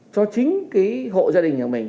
cho chính hộ gia đình nhà mình